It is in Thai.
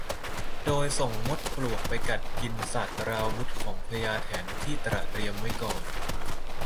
โดยส่งมดปลวกไปกัดกินศัตราวุธของพญาแถนที่ตระเตรียมไว้ก่อน